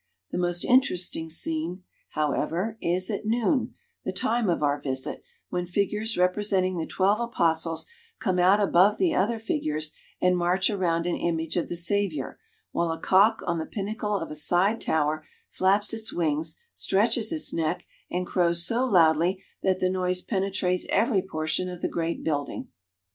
The most interesting scene, however, is at noon, the time of our visit, when figures representing the twelve apostles come out above the other figures, and ■ march around an image of the Savior, while a cock on the pin nacle of a side tower flaps its wings, stretches its neck, and crows so loudly that the noise penetrates every portion of the great building.